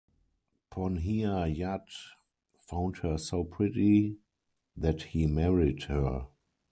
Ponhea Yat found her so pretty that he married her.